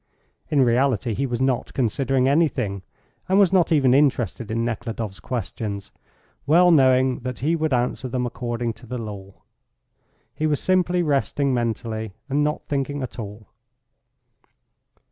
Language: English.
In reality he was not considering anything, and was not even interested in Nekhludoff's questions, well knowing that he would answer them according to the law. He was simply resting mentally and not thinking at all.